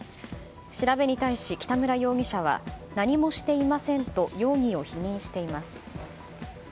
調べに対し北村容疑者は何もしていませんと容疑を否認しています。